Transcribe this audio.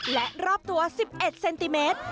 และรอบตัว๑๑เซนติเมตร